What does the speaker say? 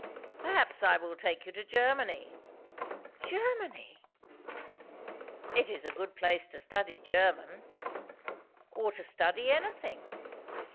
"Perhaps I will take you to Germany." "Germany!" "It is a good place to study German. Or to study anything."